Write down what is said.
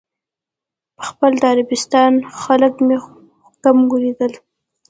په خپله د عربستان خلک مې کم ولیدل.